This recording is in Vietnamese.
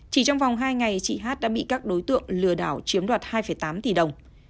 chỉ trong vòng hai ngày chị hát đã bị các đối tượng lừa đảo chiếm đoạt hai tám tỷ đồng